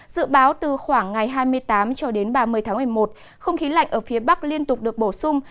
dự báo từ khoảng ngày hai mươi tám cho đến ba mươi tháng một mươi một không khí lạnh ở phía bắc liên tục được bổ sung